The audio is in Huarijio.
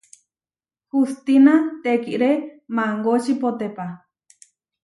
Hustína tekiré mangóči potepá.